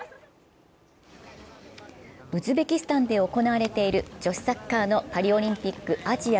ウズベキスタンで行われている女子サッカーのパリオリンピックアジア